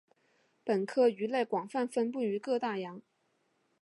本科鱼类广泛分布于各大洋。